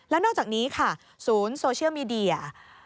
แล้วนอกจากนี้ค่ะศูนย์โซเชียลมีเดีย